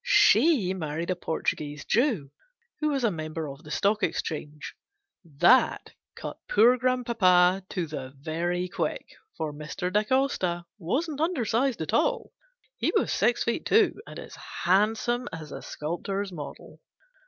She married a Portuguese Jew, who was a member of the Stock Exchange. That cut poor grandpapa to the very quick ; for Mr. Da Costa wasn't undersized at all : he was six feet two, and as handsome as a sculptor's model.